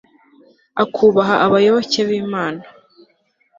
akubaha abayoboke b'imana